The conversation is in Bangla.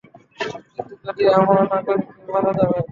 কিন্তু যদি আমরা না করি, তুমি মারা যাবে।